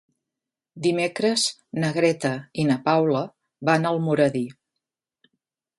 Dimecres na Greta i na Paula van a Almoradí.